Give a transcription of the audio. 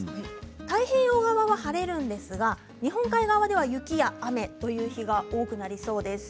太平洋側は晴れるんですが日本海側では雪や雨という日が多くなりそうです。